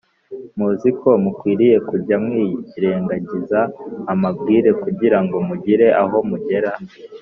muziko mukwiriye kujya mwirengagiza amabwire kugirango mugire aho mugera